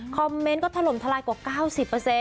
คอมเมนต์ก็ถล่มทลายกว่า๙๐